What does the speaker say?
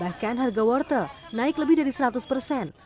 hanya dua wortel naik lebih dari seratus persen